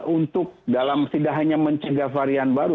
untuk dalam tidak hanya mencegah varian baru